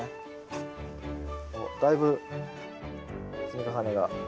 おっだいぶ積み重ねが。